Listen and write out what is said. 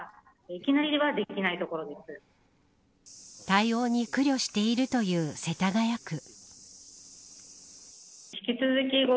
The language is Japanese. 対応に苦慮しているという世田谷区。